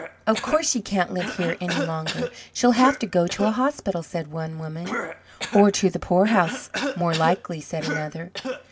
"Of course she can't live here any longer; she'll have to go to a hospital," said one woman. "Or to the poorhouse, more likely," said another.